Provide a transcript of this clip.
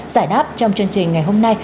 giải đáp trong chương trình ngày hôm nay